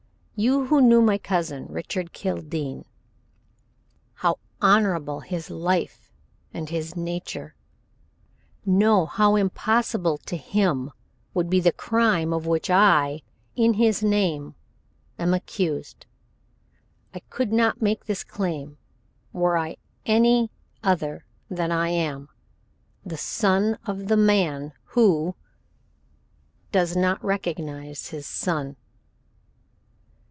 You who knew my cousin, Richard Kildene, how honorable his life and his nature, know how impossible to him would be the crime of which I, in his name, am accused. I could not make this claim were I any other than I am the son of the man who does not recognize his son.